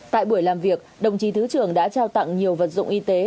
tại buổi làm việc đồng chí thứ trưởng đã trao tặng nhiều vật dụng y tế